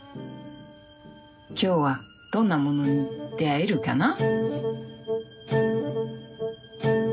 今日はどんなものに出会えるかな。